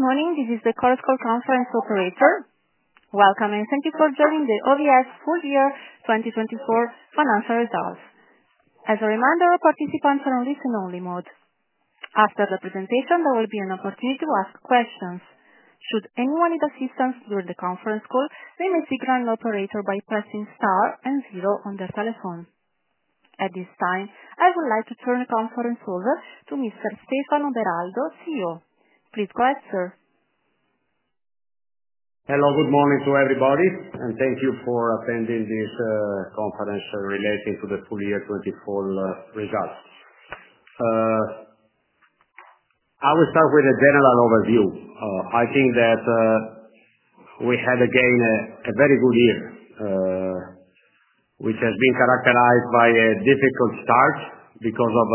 Good morning. This is the Chorus Call conference operator. Welcome, and thank you for joining the OVS Full Year 2024 Financial Results. As a reminder, all participants are on listen-only mode. After the presentation, there will be an opportunity to ask questions. Should anyone need assistance during the conference call, they may seek an operator by pressing star and zero on their telephone. At this time, I would like to turn the conference over to Mr. Stefano Beraldo, CEO. Please go ahead, sir. Hello. Good morning to everybody, and thank you for attending this conference relating to the full year 2024 results. I will start with a general overview. I think that we had, again, a very good year, which has been characterized by a difficult start because of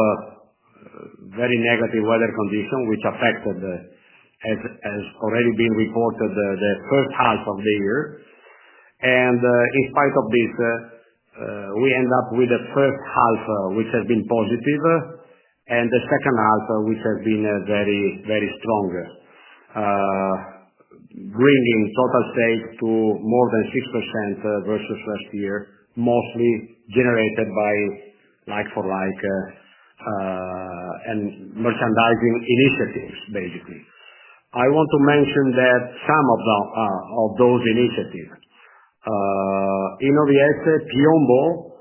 very negative weather conditions, which affected, as has already been reported, the first half of the year. In spite of this, we end up with the first half, which has been positive, and the second half, which has been very, very strong, bringing total sales to more than 6% versus last year, mostly generated by like-for-like and merchandising initiatives, basically. I want to mention some of those initiatives. In OVS, Piombo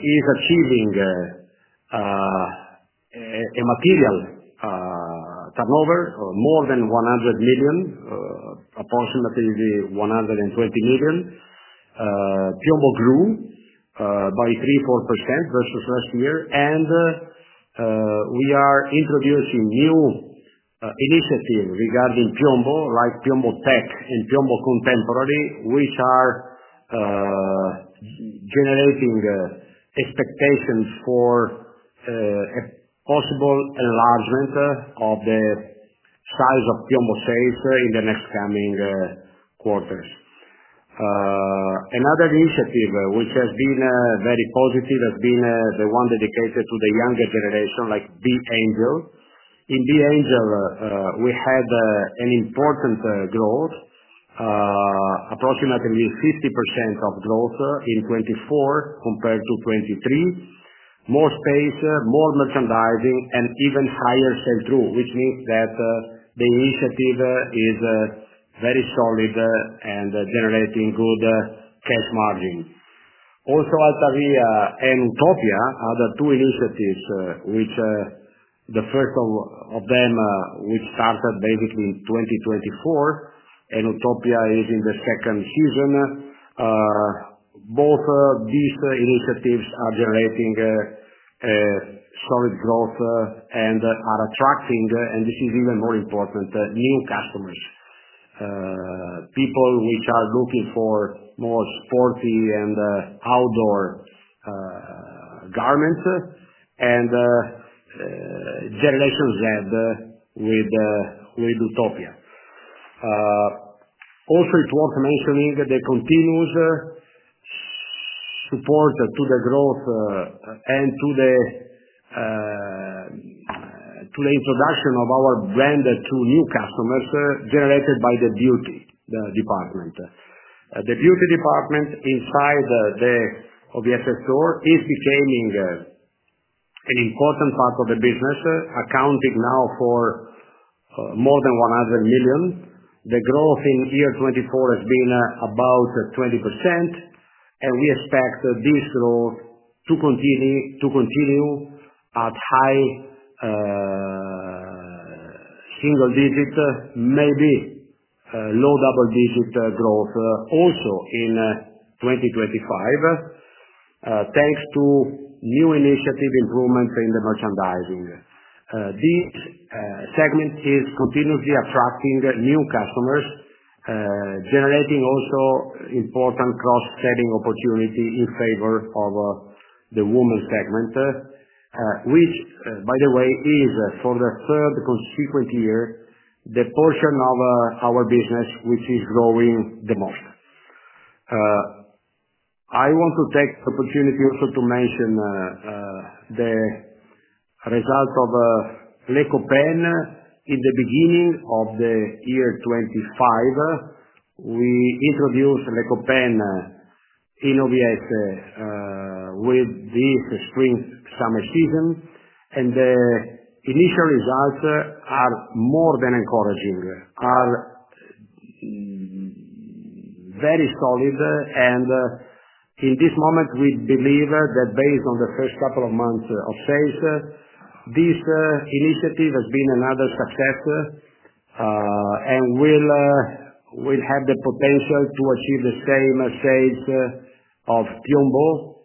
is achieving a material turnover, more than EUR 100 million, approximately 120 million. Piombo grew by 3%-4% versus last year. We are introducing new initiatives regarding Piombo, like Piombo Tech and Piombo Contemporary, which are generating expectations for a possible enlargement of the size of Piombo sales in the next coming quarters. Another initiative, which has been very positive, has been the one dedicated to the younger generation, like B.Angel. In B.Angel, we had an important growth, approximately 50% of growth in 2024 compared to 2023, more space, more merchandising, and even higher sales through, which means that the initiative is very solid and generating good cash margin. Also, Altavia and Utopia are the two initiatives, which the first of them started basically in 2024, and Utopia is in the second season. Both these initiatives are generating solid growth and are attracting, and this is even more important, new customers, people which are looking for more sporty and outdoor garments and Generation Z with Utopia. Also, it's worth mentioning the continuous support to the growth and to the introduction of our brand to new customers generated by the beauty department. The beauty department inside the OVS store is becoming an important part of the business, accounting now for more than 100 million. The growth in year 2024 has been about 20%, and we expect this growth to continue at high single-digit, maybe low double-digit growth also in 2025, thanks to new initiative improvements in the merchandising. This segment is continuously attracting new customers, generating also important cross-selling opportunity in favor of the woman segment, which, by the way, is for the third consecutive year the portion of our business which is growing the most. I want to take the opportunity also to mention the result of Le Copain in the beginning of the year 2025. We introduced Le Copain in OVS with this spring-summer season, and the initial results are more than encouraging, are very solid. In this moment, we believe that based on the first couple of months of sales, this initiative has been another success and will have the potential to achieve the same sales of Piombo.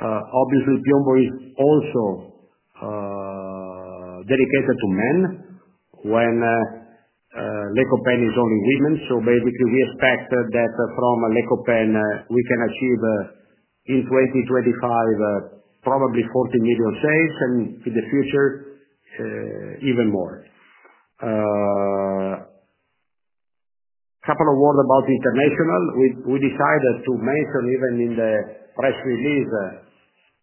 Obviously, Piombo is also dedicated to men when Le Copain is only women. Basically, we expect that from Le Copain we can achieve in 2025 probably 40 million sales, and in the future even more. A couple of words about international. We decided to mention even in the press release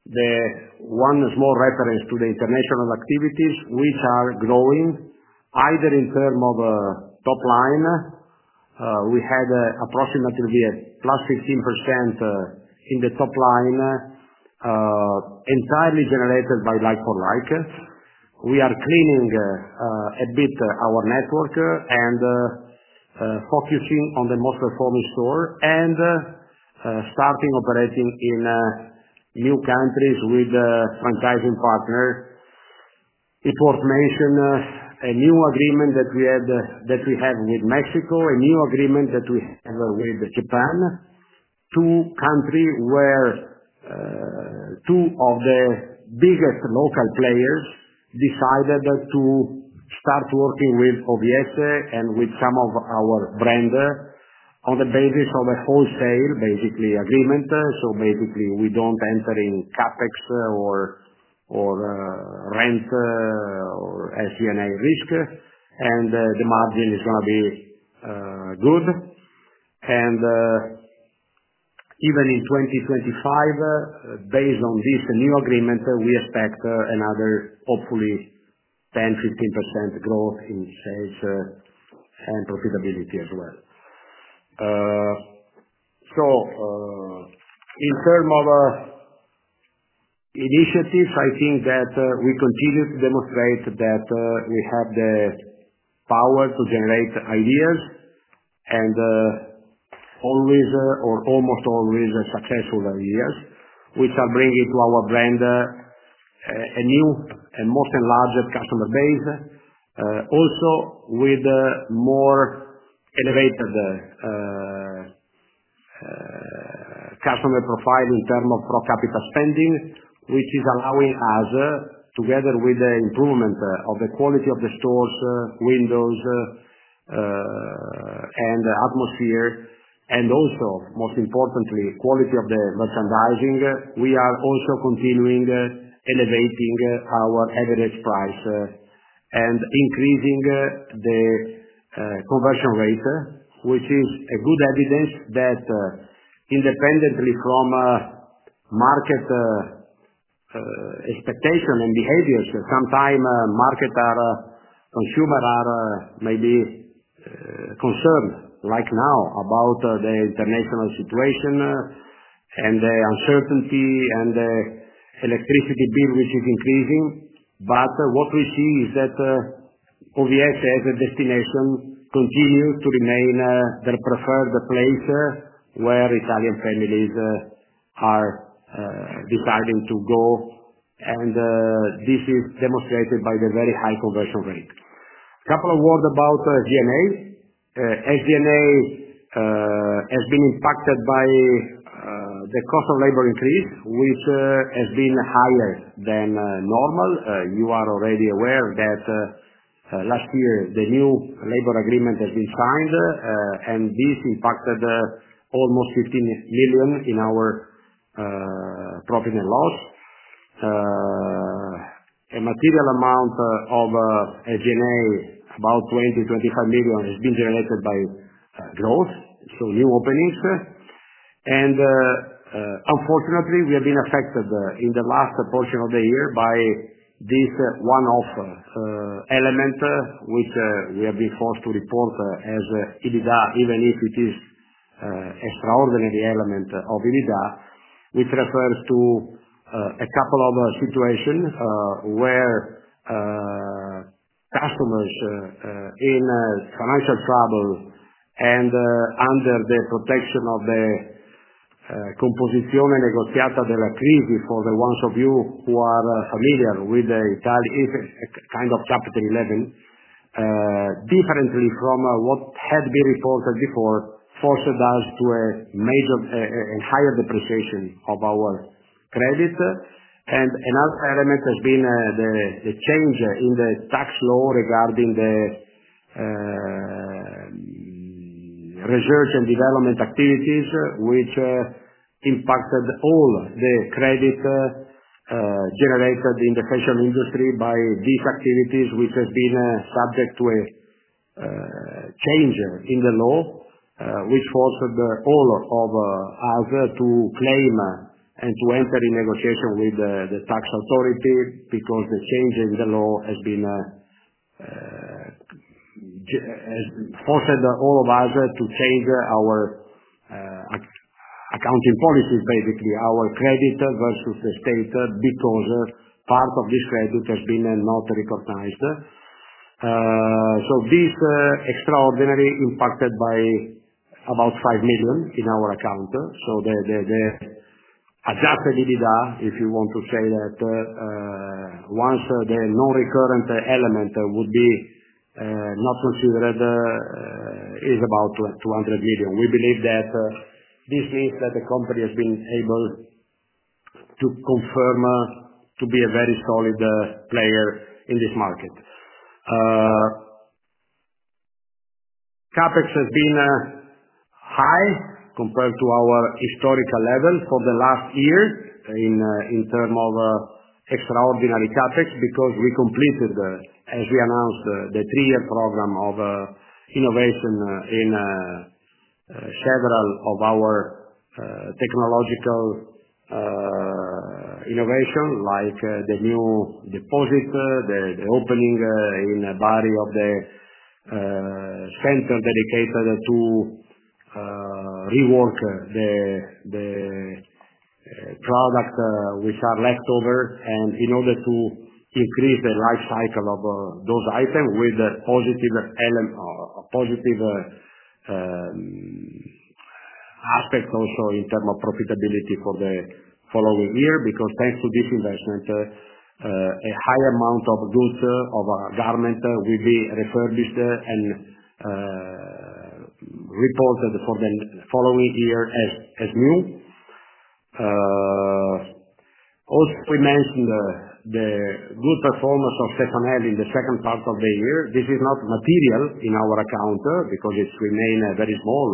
one small reference to the international activities which are growing, either in term of top line. We had approximately +15% in the top line entirely generated by like-for-like. We are cleaning a bit our network and focusing on the most performing store and starting operating in new countries with franchising partners. It was mentioned a new agreement that we have with Mexico, a new agreement that we have with Japan, two countries where two of the biggest local players decided to start working with OVS and with some of our brands on the basis of a wholesale basically agreement. Basically, we do not enter in CapEx or rent or SG&A risk, and the margin is going to be good. Even in 2025, based on this new agreement, we expect another, hopefully, 10-15% growth in sales and profitability as well. In term of initiatives, I think that we continue to demonstrate that we have the power to generate ideas and always or almost always successful ideas, which are bringing to our brand a new and most enlarged customer base, also with more elevated customer profile in term of per capita spending, which is allowing us, together with the improvement of the quality of the stores, windows, and atmosphere, and also, most importantly, quality of the merchandising, we are also continuing elevating our average price and increasing the conversion rate, which is good evidence that independently from market expectation and behaviors, sometimes consumers are maybe concerned, like now, about the international situation and the uncertainty and the electricity bill, which is increasing. What we see is that OVS, as a destination, continues to remain the preferred place where Italian families are deciding to go, and this is demonstrated by the very high conversion rate. A couple of words about SG&A. SG&A has been impacted by the cost of labor increase, which has been higher than normal. You are already aware that last year the new labor agreement has been signed, and this impacted almost 15 million in our profit and loss. A material amount of SG&A, about 20-25 million, has been generated by growth, so new openings. Unfortunately, we have been affected in the last portion of the year by this one-off element, which we have been forced to report as EBITDA, even if it is an extraordinary element of EBITDA, which refers to a couple of situations where customers in financial trouble and under the protection of the composizione negoziata della crisi, for the ones of you who are familiar with the Italian. It is a kind of capital level, differently from what had been reported before, forced us to a major and higher depreciation of our credit. Another element has been the change in the tax law regarding the research and development activities, which impacted all the credit generated in the fashion industry by these activities, which has been subject to a change in the law, which forced all of us to claim and to enter in negotiation with the tax authority because the change in the law has forced all of us to change our accounting policies, basically our credit versus the state because part of this credit has been not recognized. This extraordinary impacted by about EUR 5 million in our account. The adjusted EBITDA, if you want to say that, once the non-recurrent element would be not considered, is about 200 million. We believe that this means that the company has been able to confirm to be a very solid player in this market. CapEx has been high compared to our historical level for the last year in terms of extraordinary CapEx because we completed, as we announced, the three-year program of innovation in several of our technological innovations, like the new deposit, the opening in the body of the center dedicated to rework the products which are left over, and in order to increase the life cycle of those items with a positive aspect also in terms of profitability for the following year because thanks to this investment, a high amount of goods of garments will be refurbished and reported for the following year as new. Also, we mentioned the good performance of Stefanel in the second part of the year. This is not material in our account because it remained very small,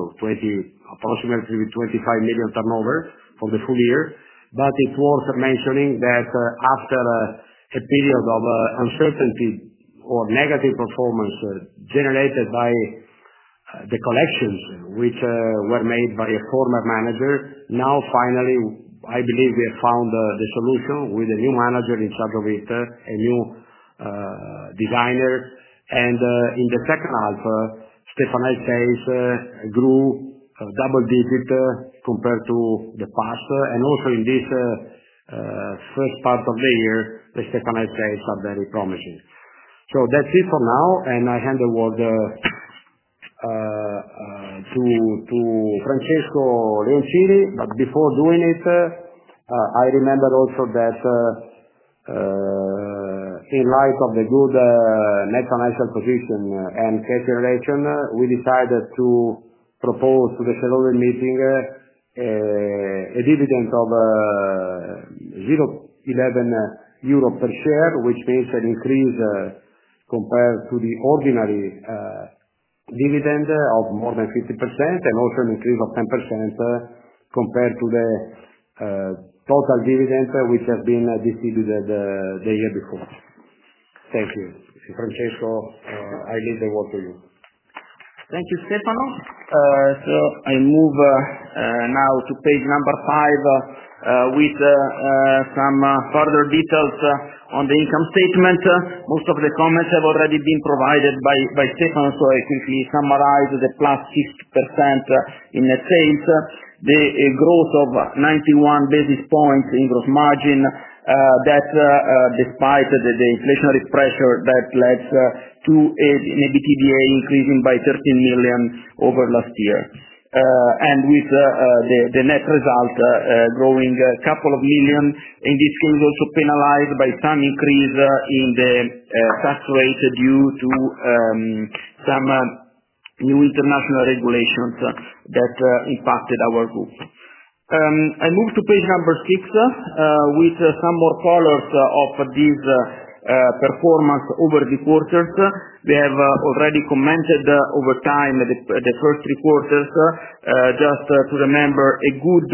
approximately 25 million turnover for the full year. It is worth mentioning that after a period of uncertainty or negative performance generated by the collections which were made by a former manager, now finally, I believe we have found the solution with a new manager in charge of it, a new designer. In the second half, Stefanel sales grew double-digit compared to the past. Also in this first part of the year, the Stefanel sales are very promising. That is it for now, and I hand the word to Francesco Leoncini. Before doing it, I remember also that in light of the good net financial position and cash generation, we decided to propose to the shareholder meeting a dividend of 0.11 euro per share, which means an increase compared to the ordinary dividend of more than 50%, and also an increase of 10% compared to the total dividend which has been distributed the year before. Thank you. Francesco, I leave the word to you. Thank you, Stefano. I move now to page number five with some further details on the income statement. Most of the comments have already been provided by Stefano, so I quickly summarize the plus 6% in sales, the growth of 91 basis points in gross margin that, despite the inflationary pressure, led to an EBITDA increasing by 13 million over last year. With the net result growing a couple of million, in this case, also penalized by some increase in the tax rate due to some new international regulations that impacted our group. I move to page number six with some more colors of this performance over the quarters. We have already commented over time the first three quarters. Just to remember, a good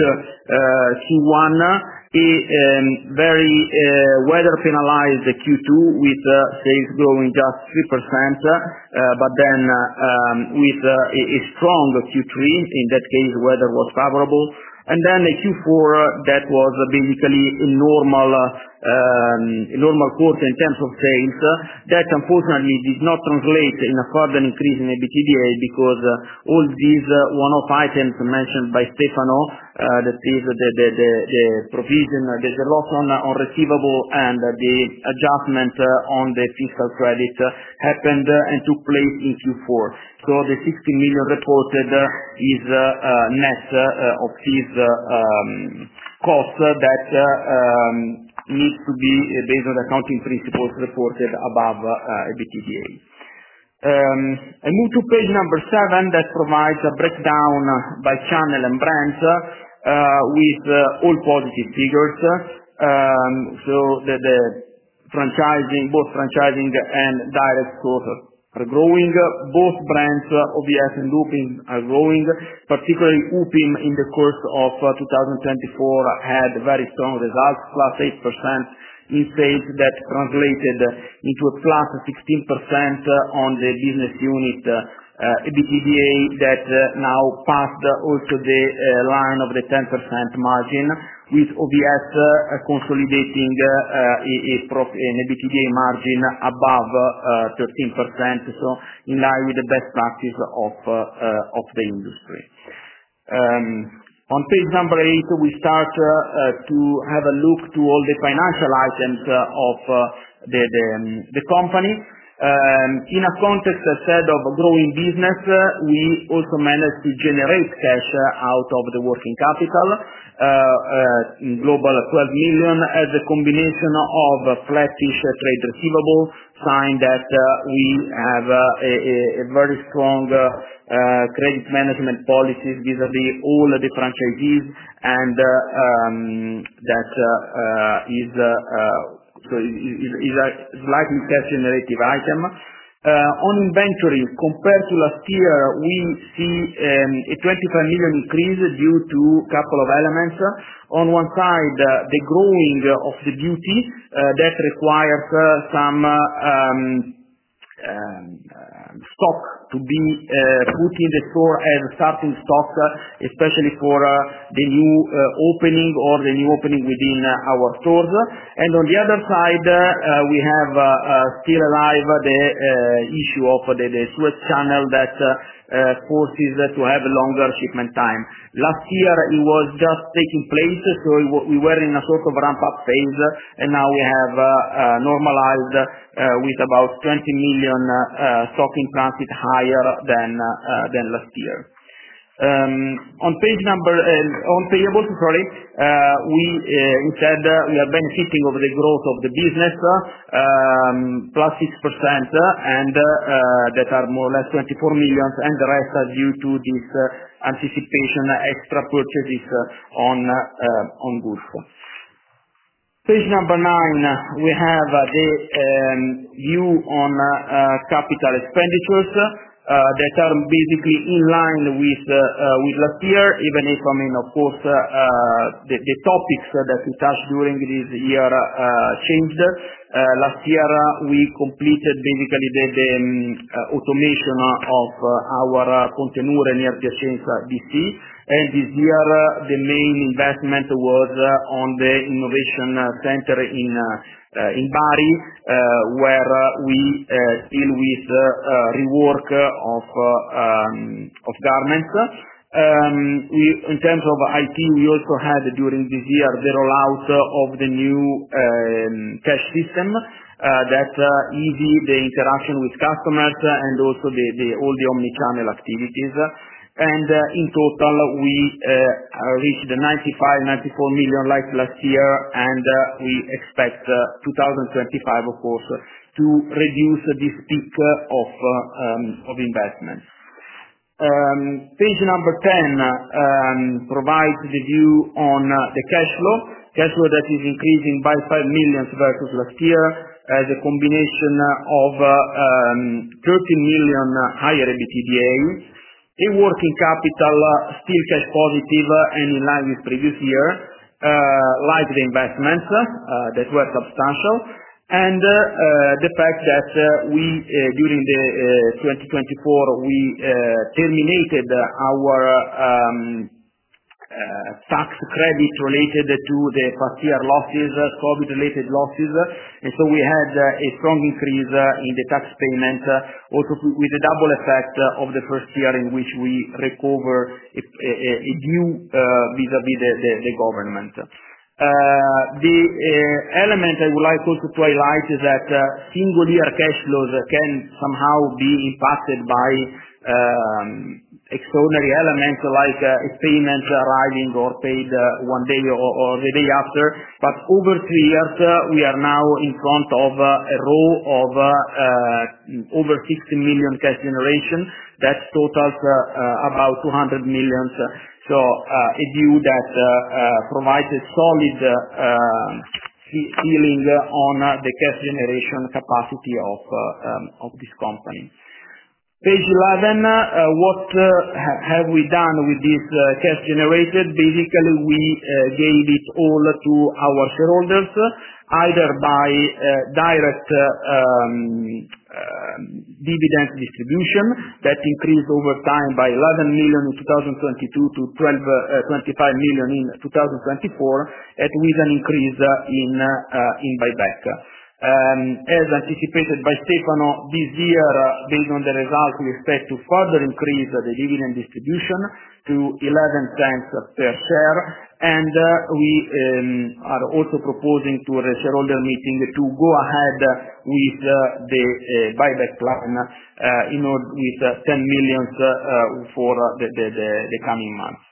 Q1, a very weather-penalized Q2 with sales growing just 3%, but then with a strong Q3, in that case, weather was favorable. A Q4 that was basically a normal quarter in terms of sales that, unfortunately, did not translate in a further increase in EBITDA because all these one-off items mentioned by Stefano, that is the provision, the loss on receivable, and the adjustment on the fiscal credit, happened and took place in Q4. The EUR 60 million reported is net of these costs that need to be based on accounting principles reported above EBITDA. I move to page number seven that provides a breakdown by channel and brand with all positive figures. Both franchising and direct stores are growing. Both brands, OVS and UPIM, are growing. Particularly, UPIM, in the course of 2024, had very strong results, plus 8% in sales that translated into a plus 16% on the business unit EBITDA that now passed also the line of the 10% margin with OVS consolidating an EBITDA margin above 13%, in line with the best practice of the industry. On page number eight, we start to have a look to all the financial items of the company. In a context said of growing business, we also managed to generate cash out of the working capital, global 12 million as a combination of flat-ish trade receivable, sign that we have very strong credit management policies vis-à-vis all the franchisees, and that is a slightly cash-generative item. On inventory, compared to last year, we see a 25 million increase due to a couple of elements. On one side, the growing of the beauty that requires some stock to be put in the store as starting stock, especially for the new opening or the new opening within our stores. On the other side, we have still alive the issue of the Suez Canal that forces to have a longer shipment time. Last year, it was just taking place, so we were in a sort of ramp-up phase, and now we have normalized with about 20 million stock in transit higher than last year. On payables, sorry, we said we are benefiting of the growth of the business, plus 6%, and that are more or less 24 million, and the rest are due to this anticipation extra purchases on goods. Page number nine, we have the view on capital expenditures that are basically in line with last year, even if, I mean, of course, the topics that we touched during this year changed. Last year, we completed basically the automation of our container near Piacenza DC, and this year, the main investment was on the innovation center in Bari, where we deal with rework of garments. In terms of IT, we also had during this year the rollout of the new cash system that easy the interaction with customers and also all the omnichannel activities. In total, we reached 95 million, 94 million like last year, and we expect 2025, of course, to reduce this peak of investment. Page number 10 provides the view on the cash flow, cash flow that is increasing by 5 million versus last year as a combination of 13 million higher EBITDA, a working capital still cash positive and in line with previous year, like the investments that were substantial, and the fact that during 2024, we terminated our tax credit related to the past year losses, COVID-related losses. We had a strong increase in the tax payment, also with the double effect of the first year in which we recover a view vis-à-vis the government. The element I would like also to highlight is that single-year cash flows can somehow be impacted by extraordinary elements like payments arriving or paid one day or the day after. Over three years, we are now in front of a row of over 60 million cash generation that totals about 200 million. A view that provides a solid feeling on the cash generation capacity of this company. Page 11, what have we done with this cash generated? Basically, we gave it all to our shareholders either by direct dividend distribution that increased over time by 11 million in 2022 to 25 million in 2024, with an increase in buyback. As anticipated by Stefano, this year, based on the results, we expect to further increase the dividend distribution to 0.11 per share. We are also proposing to the shareholder meeting to go ahead with the buyback plan with 10 million for the coming months.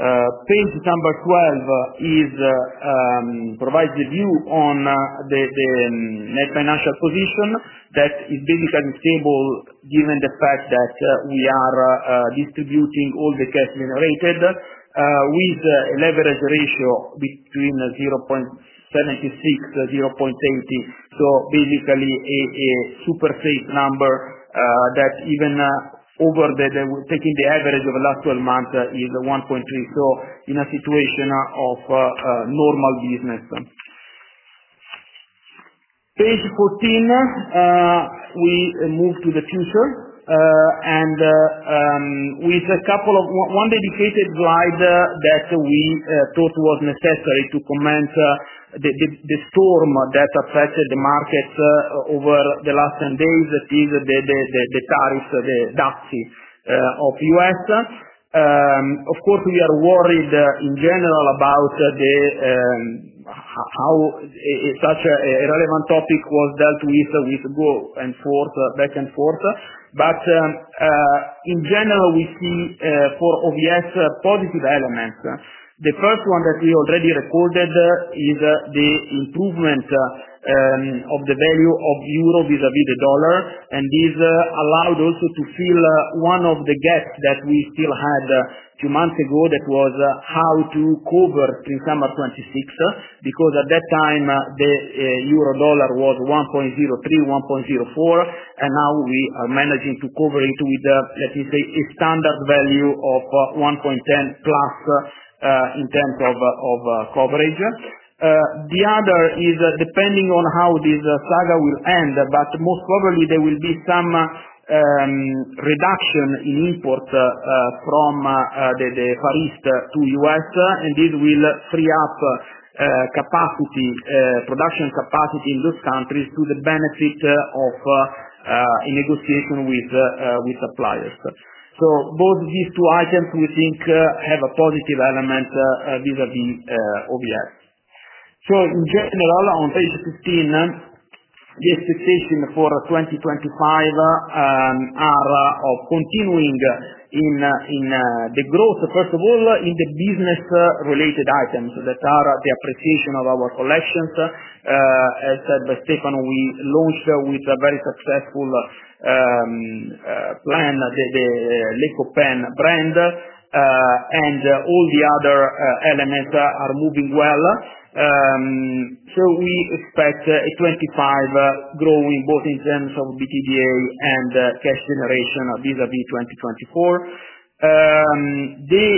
Page number 12 provides a view on the net financial position that is basically stable given the fact that we are distributing all the cash generated with a leverage ratio between 0.76-0.80. Basically, a super safe number that even overtaking the average of the last 12 months is 1.3. In a situation of normal business. Page 14, we move to the future. With a couple of one dedicated slide that we thought was necessary to comment the storm that affected the markets over the last 10 days, that is the tariffs, the DAX of US. Of course, we are worried in general about how such a relevant topic was dealt with with growth and back and forth. In general, we see for OVS positive elements. The first one that we already recorded is the improvement of the value of euro vis-à-vis the dollar. This allowed us to fill one of the gaps that we still had a few months ago that was how to cover in summer 2026 because at that time, the euro dollar was 1.03, 1.04. Now we are managing to cover it with, let me say, a standard value of 1.10 plus in terms of coverage. The other is depending on how this saga will end, but most probably there will be some reduction in import from the Far East to the U.S. This will free up production capacity in those countries to the benefit of negotiation with suppliers. Both these two items we think have a positive element vis-à-vis OVS. In general, on page 15, the expectation for 2025 are of continuing in the growth, first of all, in the business-related items that are the appreciation of our collections. As said by Stefano, we launched with a very successful plan, the Les Copain brand. All the other elements are moving well. We expect 2025 growing both in terms of EBITDA and cash generation vis-à-vis 2024. The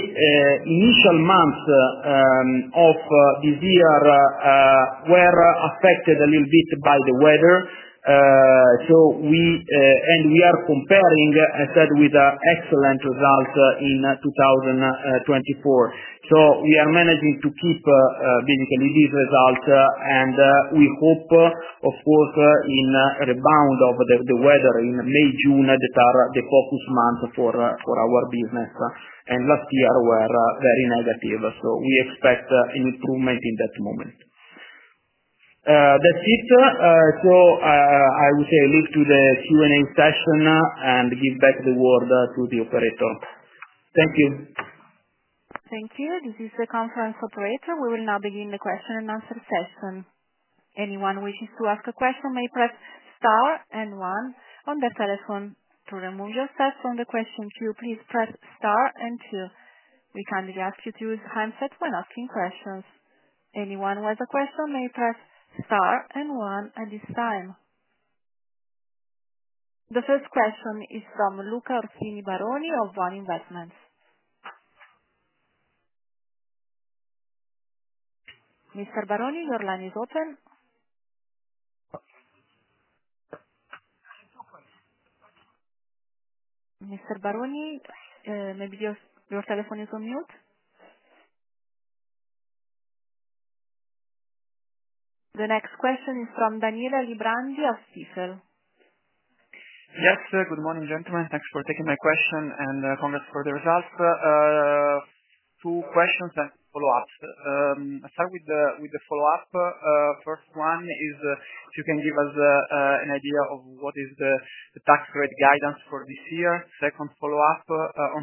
initial months of this year were affected a little bit by the weather. We are comparing, as said, with excellent results in 2024. We are managing to keep basically these results. We hope, of course, in rebound of the weather in May, June, that are the focus months for our business. Last year were very negative. We expect an improvement in that moment. That's it. I will say a link to the Q&A session and give back the word to the operator. Thank you. Thank you. This is the conference operator. We will now begin the question and answer session. Anyone wishing to ask a question may press star and one. On the telephone, to remove yourself from the question queue, please press star and two. We kindly ask you to use handset when asking questions. Anyone with a question may press star and one at this time. The first question is from Luca Orsini Baroni of One Investments. Mr. Baroni, your line is open. Mr. Baroni, maybe your telephone is on mute. The next question is from Daniele Alibrandi of Stifel. Yes. Good morning, gentlemen. Thanks for taking my question. And congrats for the results. Two questions and follow-ups. I'll start with the follow-up. First one is if you can give us an idea of what is the tax rate guidance for this year. Second follow-up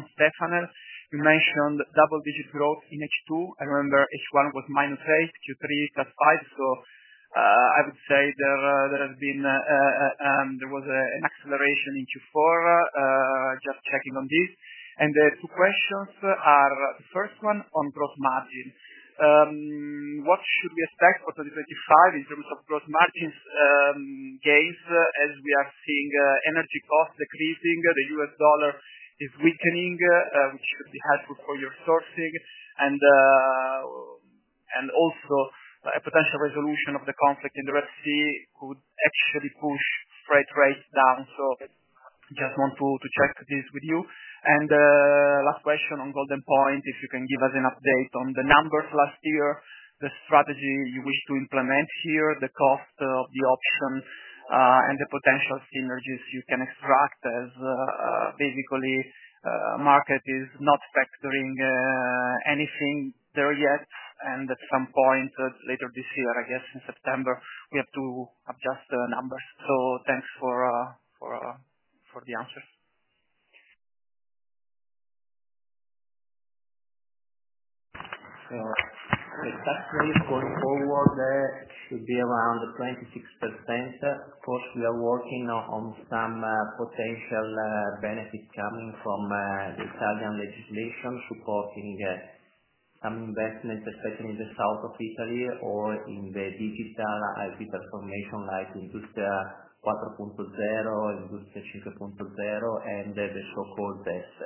on Stefano. You mentioned double-digit growth in H2. I remember H1 was minus 8, Q3 plus 5. I would say there has been there was an acceleration in Q4. Just checking on this. The two questions are the first one on gross margin. What should we expect for 2025 in terms of gross margins gains as we are seeing energy costs decreasing, the US dollar is weakening, which should be helpful for your sourcing? Also, a potential resolution of the conflict in the Red Sea could actually push freight rates down. Just want to check this with you. Last question on Goldenpoint, if you can give us an update on the numbers last year, the strategy you wish to implement here, the cost of the option, and the potential synergies you can extract as basically market is not factoring anything there yet. At some point later this year, I guess in September, we have to adjust the numbers. Thanks for the answers. The tax rate going forward should be around 26%. Of course, we are working on some potential benefits coming from the Italian legislation supporting some investment, especially in the south of Italy or in the digital IP transformation like Industria 4.0, Industria 5.0, and the so-called ZES.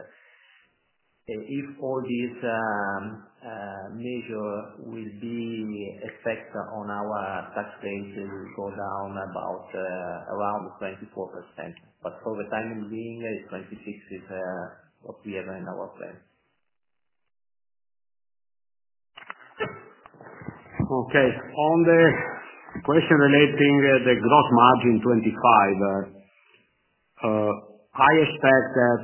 If all these measures will be effected on our tax rate, it will go down about around 24%. For the time being, 26% is what we have in our plan. Okay. On the question relating the gross margin 2025, I expect that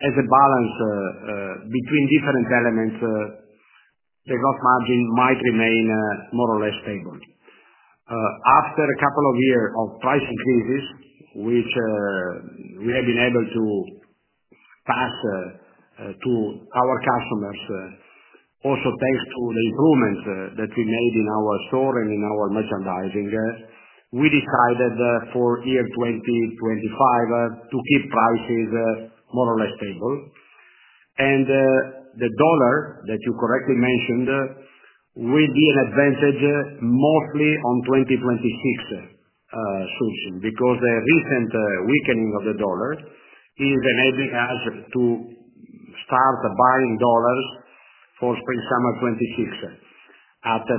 as a balance between different elements, the gross margin might remain more or less stable. After a couple of years of price increases, which we have been able to pass to our customers, also thanks to the improvements that we made in our store and in our merchandising, we decided for year 2025 to keep prices more or less stable. The dollar that you correctly mentioned will be an advantage mostly on 2026 sourcing because the recent weakening of the dollar is enabling us to start buying dollars for spring-summer 2026 at a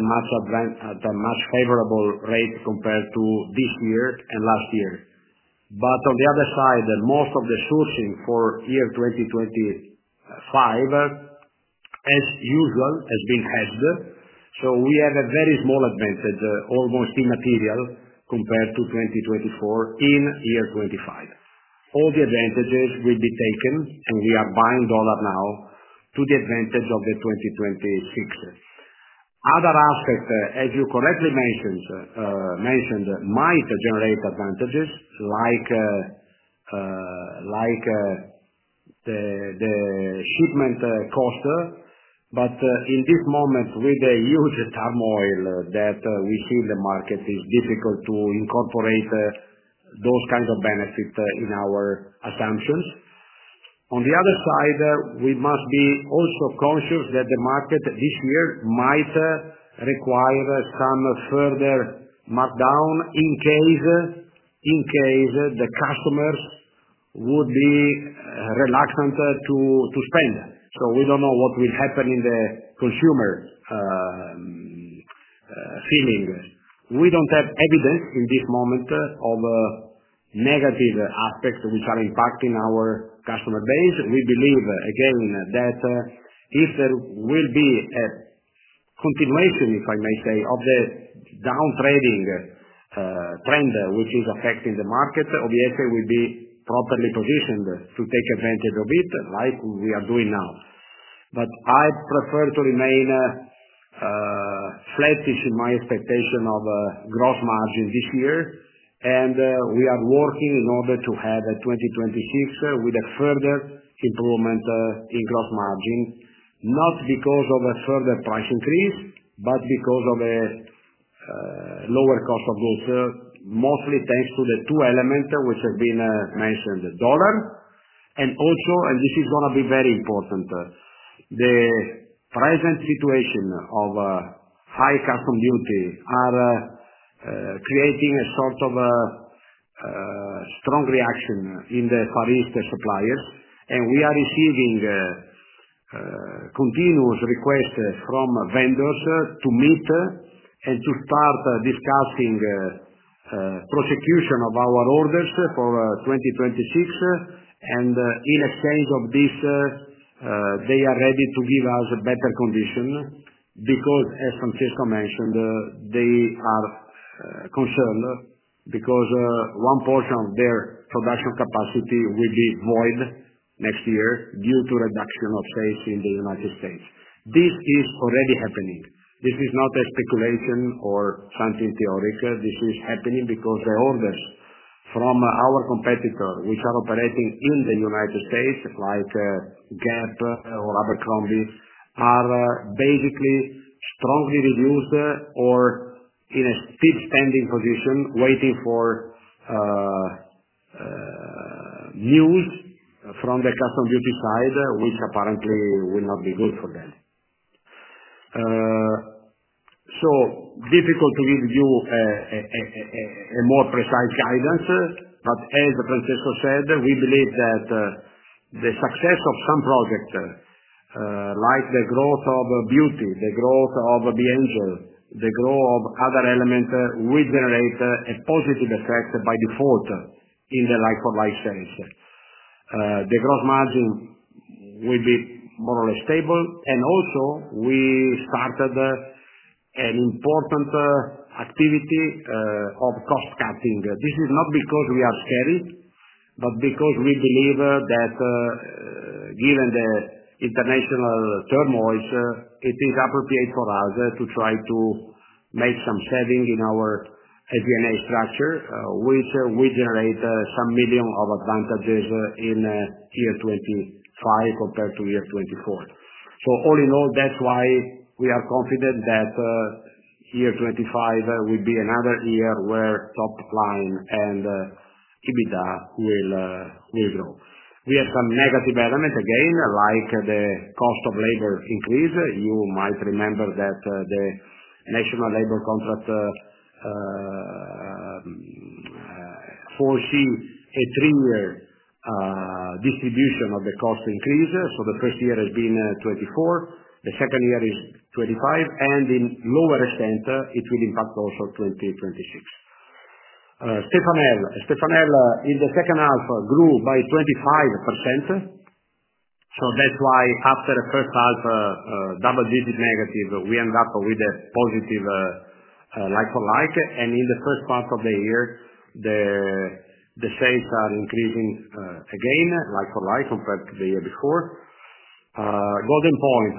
much favorable rate compared to this year and last year. On the other side, most of the sourcing for year 2025, as usual, has been hedged. We have a very small advantage, almost immaterial, compared to 2024 in year 2025. All the advantages will be taken, and we are buying dollar now to the advantage of 2026. Other aspects, as you correctly mentioned, might generate advantages like the shipment cost. In this moment, with the huge turmoil that we see in the market, it's difficult to incorporate those kinds of benefits in our assumptions. On the other side, we must be also conscious that the market this year might require some further markdown in case the customers would be reluctant to spend. We don't know what will happen in the consumer feeling. We don't have evidence in this moment of negative aspects which are impacting our customer base. We believe, again, that if there will be a continuation, if I may say, of the downtrading trend which is affecting the market, OVS will be properly positioned to take advantage of it like we are doing now. I prefer to remain skeptical in my expectation of gross margin this year. We are working in order to have 2026 with a further improvement in gross margin, not because of a further price increase, but because of a lower cost of goods, mostly thanks to the two elements which have been mentioned: the dollar. Also, and this is going to be very important, the present situation of high customs duty is creating a sort of strong reaction in the Far East suppliers. We are receiving continuous requests from vendors to meet and to start discussing prosecution of our orders for 2026. In exchange for this, they are ready to give us a better condition because, as Francesco mentioned, they are concerned because one portion of their production capacity will be void next year due to reduction of sales in the United States. This is already happening. This is not a speculation or something theoretical. This is happening because the orders from our competitor, which are operating in the United States., like GAP or Abercrombie, are basically strongly reduced or in a steep-standing position waiting for news from the customs duty side, which apparently will not be good for them. It is difficult to give you a more precise guidance. As Francesco said, we believe that the success of some projects, like the growth of beauty, the growth of B Angel, the growth of other elements, will generate a positive effect by default in the like-for-like sales. The gross margin will be more or less stable. We started an important activity of cost-cutting. This is not because we are scary, but because we believe that given the international turmoil, it is appropriate for us to try to make some savings in our FD&A structure, which will generate some million of advantages in year 2025 compared to year 2024. All in all, that's why we are confident that year 2025 will be another year where top line and EBITDA will grow. We have some negative elements, again, like the cost of labor increase. You might remember that the National Labor Contract foresees a three-year distribution of the cost increase. The first year has been 2024. The second year is 2025. In lower extent, it will impact also 2026. Stefano, Stefano in the second half grew by 25%. That's why after the first half, double-digit negative, we end up with a positive like-for-like. In the first part of the year, the sales are increasing again, like-for-like compared to the year before. Goldenpoint,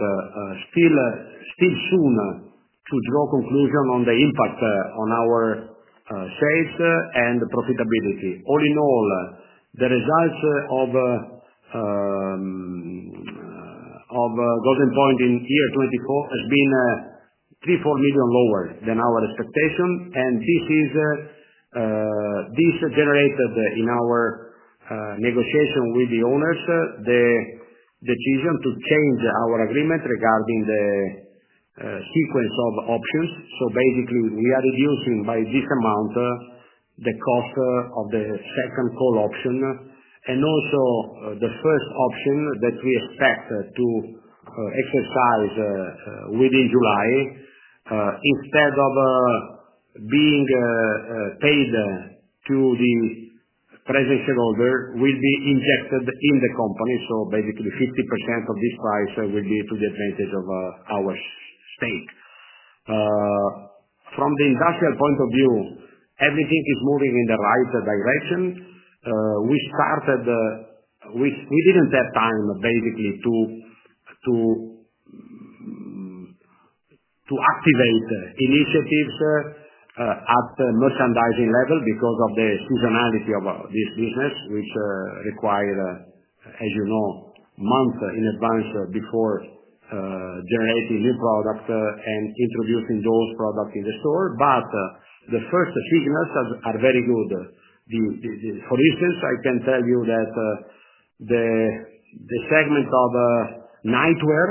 still soon to draw conclusions on the impact on our sales and profitability. All in all, the results of Goldenpoint in year 2024 have been 3-4 million lower than our expectation. This generated in our negotiation with the owners the decision to change our agreement regarding the sequence of options. Basically, we are reducing by this amount the cost of the second call option. Also, the first option that we expect to exercise within July, instead of being paid to the present shareholder, will be injected in the company. Basically, 50% of this price will be to the advantage of our stake. From the industrial point of view, everything is moving in the right direction. We did not have time, basically, to activate initiatives at the merchandising level because of the seasonality of this business, which requires, as you know, months in advance before generating new products and introducing those products in the store. The first signals are very good. For instance, I can tell you that the segment of nightwear,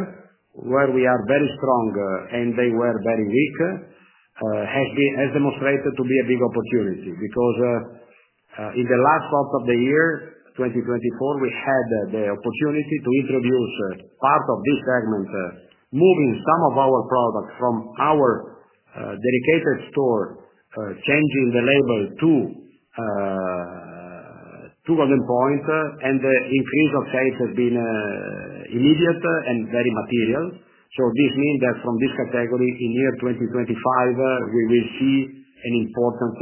where we are very strong and they were very weak, has demonstrated to be a big opportunity because in the last part of the year, 2024, we had the opportunity to introduce part of this segment, moving some of our products from our dedicated store, changing the label to Goldenpoint. The increase of sales has been immediate and very material. This means that from this category, in year 2025, we will see an important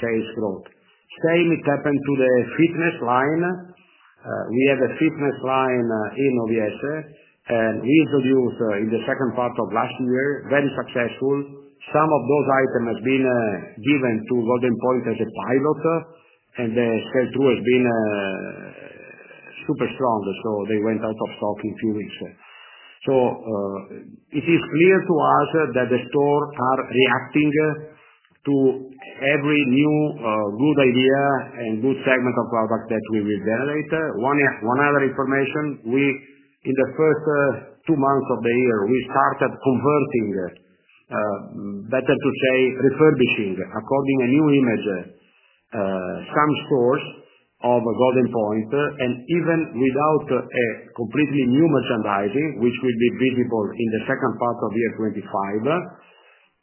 sales growth. Same happened to the fitness line. We have a fitness line in OVS, and we introduced in the second part of last year, very successful. Some of those items have been given to Goldenpoint as a pilot, and the sale through has been super strong. They went out of stock in a few weeks. It is clear to us that the store is reacting to every new good idea and good segment of product that we will generate. One other information, in the first two months of the year, we started converting, better to say, refurbishing, according to a new image, some stores of Goldenpoint. Even without a completely new merchandising, which will be visible in the second part of year 2025,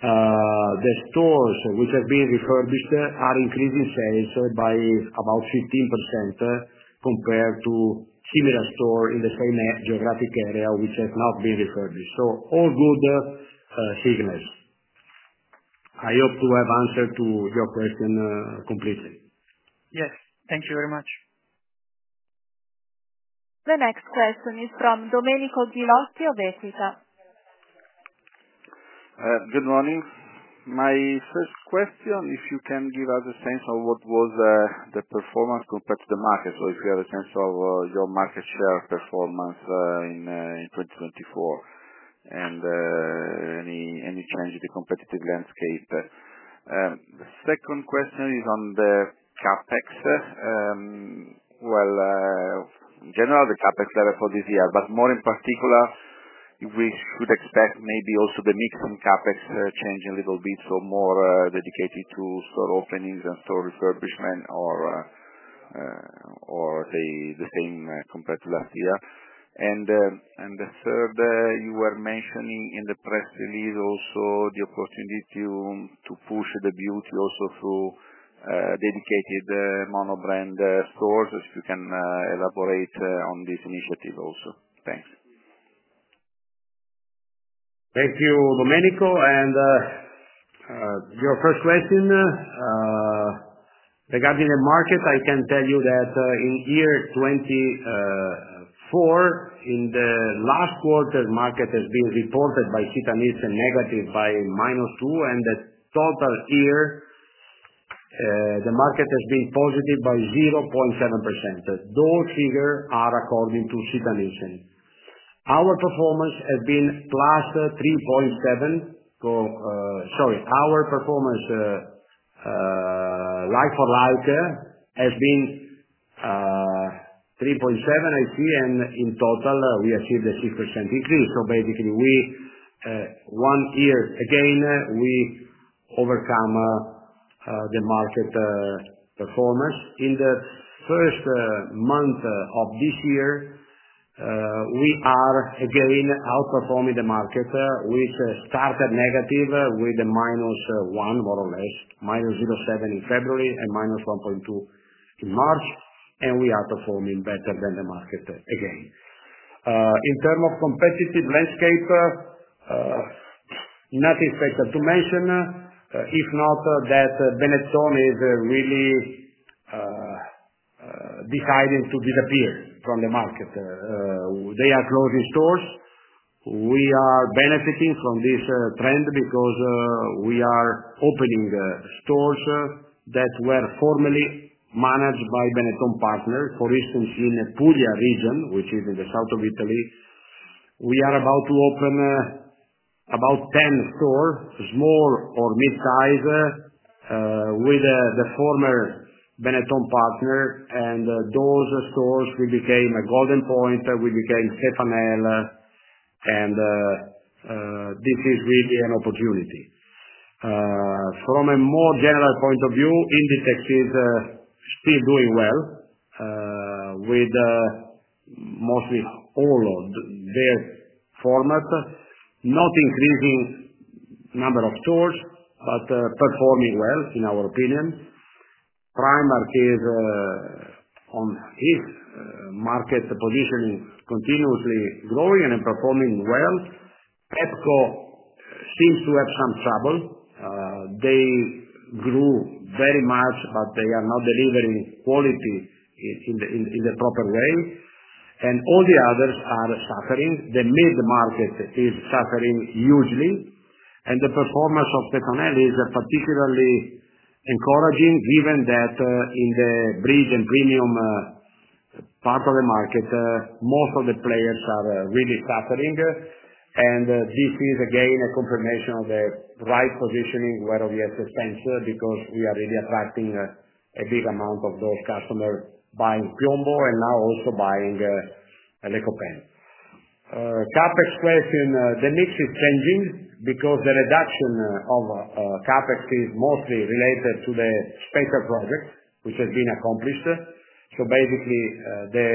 the stores which have been refurbished are increasing sales by about 15% compared to similar stores in the same geographic area which have not been refurbished. All good signals. I hope to have answered your question completely. Yes. Thank you very much. The next question is from Domenico Ghilotti of Equita. Good morning. My first question, if you can give us a sense of what was the performance compared to the market. So if you have a sense of your market share performance in 2024 and any change in the competitive landscape. The second question is on the CapEx. In general, the CapEx level for this year, but more in particular, we should expect maybe also the mix in CapEx changing a little bit, so more dedicated to store openings and store refurbishment or the same compared to last year. The third, you were mentioning in the press release also the opportunity to push the beauty also through dedicated monobrand stores. If you can elaborate on this initiative also. Thanks. Thank you, Domenico. Your first question regarding the market, I can tell you that in year 2024, in the last quarter, the market has been reported by Sita Ricerca negative by minus 2%, and the total year, the market has been positive by 0.7%. Those figures are according to Sita Ricerca. Our performance has been plus 3.7%. Sorry, our performance like-for-like has been 3.7%, I see. In total, we achieved a 6% increase. Basically, one year again, we overcome the market performance. In the first month of this year, we are again outperforming the market, which started negative with a minus 1%, more or less, minus 0.7% in February and minus 1.2% in March. We are performing better than the market again. In terms of competitive landscape, nothing special to mention, if not that Benetton is really deciding to disappear from the market. They are closing stores. We are benefiting from this trend because we are opening stores that were formerly managed by Benetton partners. For instance, in the Puglia region, which is in the south of Italy, we are about to open about 10 stores, small or mid-size, with the former Benetton partner. Those stores will become Goldenpoint, will become Stefano, and this is really an opportunity. From a more general point of view, Inditex is still doing well with mostly all of their formats, not increasing number of stores, but performing well, in our opinion. Primark is, on its market positioning, continuously growing and performing well. Pepco seems to have some trouble. They grew very much, but they are not delivering quality in the proper way. All the others are suffering. The mid-market is suffering hugely. The performance of Stefano is particularly encouraging, given that in the bridge and premium part of the market, most of the players are really suffering. This is, again, a confirmation of the right positioning where OVS stands because we are really attracting a big amount of those customers buying Piombo and now also buying Les Copains. CapEx question, the mix is changing because the reduction of CapEx is mostly related to the special project, which has been accomplished. Basically, the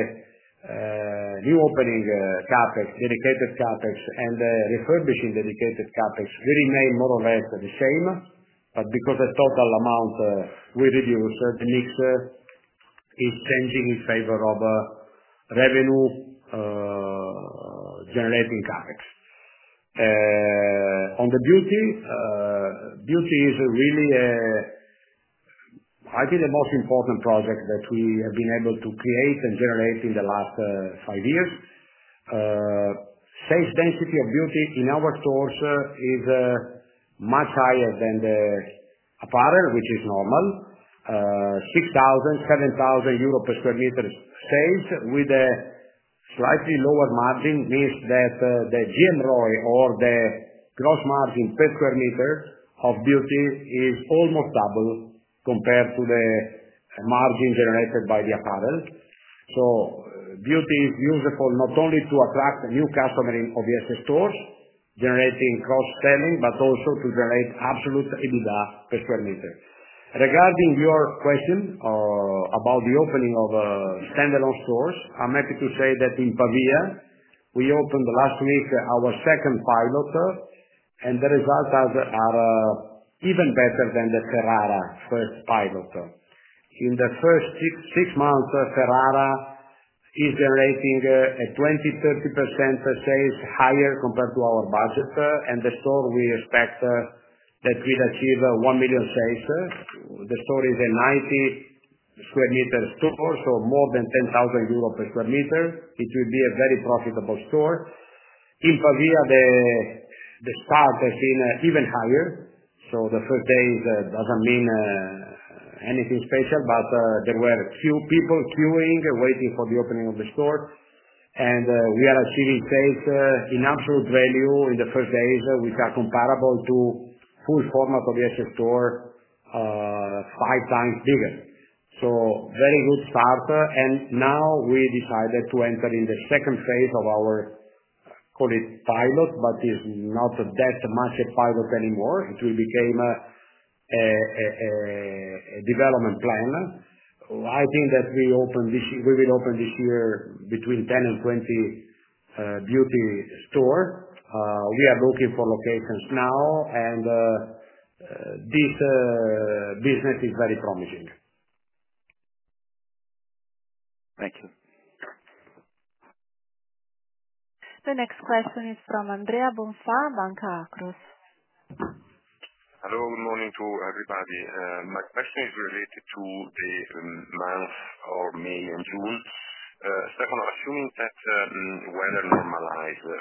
new opening CapEx, dedicated CapEx, and the refurbishing dedicated CapEx remain more or less the same. Because the total amount we reduce, the mix is changing in favor of revenue-generating CapEx. On the beauty, beauty is really, I think, the most important project that we have been able to create and generate in the last five years. Sales density of beauty in our stores is much higher than the apparel, which is normal. 6,000-7,000 euro per sq metre sales with a slightly lower margin means that the GM ROI or the gross margin per sq m of beauty is almost double compared to the margin generated by the apparel. Beauty is useful not only to attract new customers in OVS stores generating cross-selling, but also to generate absolute EBITDA per sq m. Regarding your question about the opening of standalone stores, I'm happy to say that in Pavia, we opened last week our second pilot, and the results are even better than the Ferrara first pilot. In the first six months, Ferrara is generating 20%-30% sales higher compared to our budget. The store, we expect that we'll achieve 1 million sales. The store is a 90 sq m store, so more than 10,000 euros per sq m. It will be a very profitable store. In Pavia, the start has been even higher. The first day does not mean anything special, but there were few people queuing and waiting for the opening of the store. We are achieving sales in absolute value in the first days, which are comparable to a full-format OVS store five times bigger. Very good start. Now we decided to enter in the second phase of our, call it pilot, but it is not that much a pilot anymore. It will become a development plan. I think that we will open this year between 10 and 20 beauty stores. We are looking for locations now, and this business is very promising. Thank you. The next question is from Andrea Bonfa, Banca Akros. Hello. Good morning to everybody. My question is related to the months of May and June. Stefano, assuming that weather normalizes,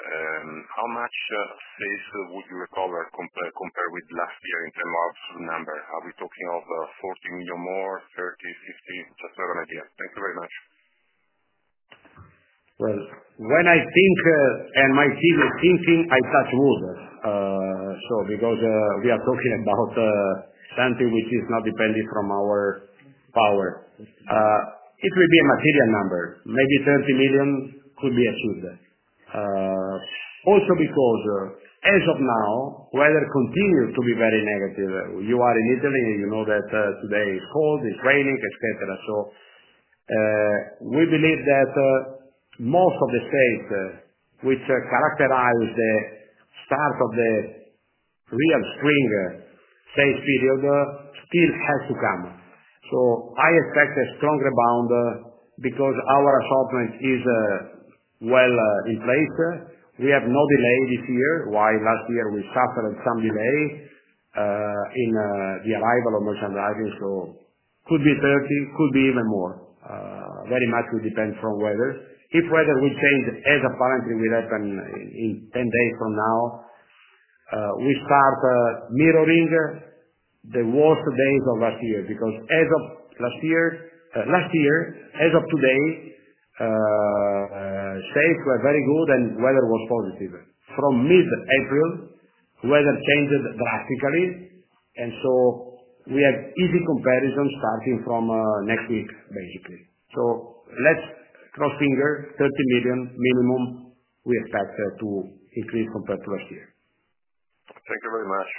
how much sales would you recover compared with last year in terms of absolute number? Are we talking of 40 million more, 30, 50? Just an idea. Thank you very much. When I think and my team is thinking, I touch wood. Because we are talking about something which is not dependent from our power, it will be a material number. Maybe EUR 20 million could be achieved. Also because as of now, weather continues to be very negative. You are in Italy, and you know that today is cold, it is raining, etc. We believe that most of the sales which characterize the start of the real spring sales period still has to come. I expect a strong rebound because our assortment is well in place. We have no delay this year. Why? Last year, we suffered some delay in the arrival of merchandising. Could be 30 million, could be even more. Very much will depend from weather. If weather will change, as apparently will happen in 10 days from now, we start mirroring the worst days of last year because as of last year, as of today, sales were very good and weather was positive. From mid-April, weather changed drastically. We have easy comparisons starting from next week, basically. Let's cross fingers, 30 million minimum we expect to increase compared to last year. Thank you very much.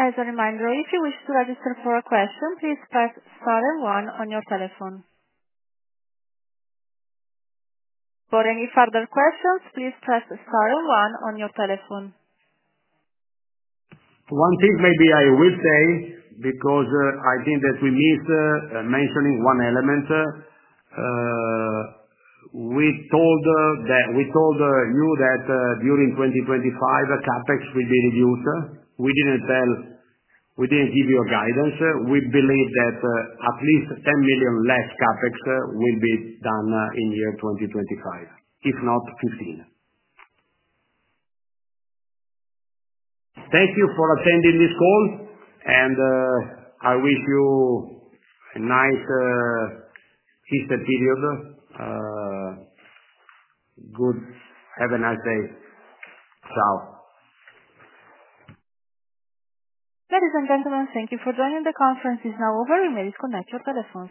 As a reminder, if you wish to register for a question, please press star and 1 on your telephone. For any further questions, please press star and one on your telephone. One thing maybe I will say because I think that we missed mentioning one element. We told you that during 2025, CapEx will be reduced. We did not give you a guidance. We believe that at least 10 million less CapEx will be done in year 2025, if not EUR 15 million. Thank you for attending this call, and I wish you a nice Easter period. Have a nice day. Ciao. Ladies and gentlemen, thank you for joining the conference. It's now over. You may disconnect your telephone.